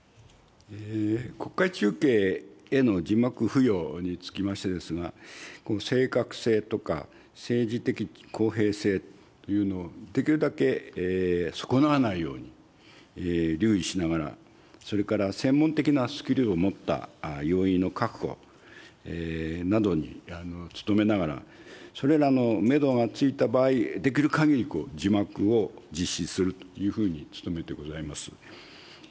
国会中継への字幕付与につきましてですが、正確性とか、政治的公平性というのをできるだけ損なわないように留意しながら、それから専門的なスキルを持った要員の確保などに努めながら、それらのメドがついた場合、できるかぎり字幕を実施するというふうに努めてございます。